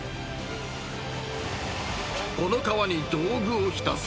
［この川に道具を浸す］